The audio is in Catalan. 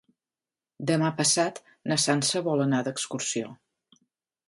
Demà passat na Sança vol anar d'excursió.